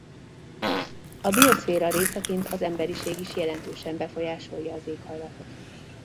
A bioszféra részeként az emberiség is jelentősen befolyásolja az éghajlatot.